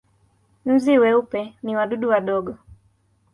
Nzi weupe ni wadudu wadogo.